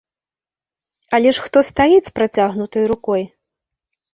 Але ж хто стаіць з працягнутай рукой?